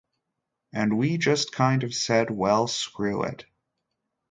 And we just kind of said, 'Well, screw it.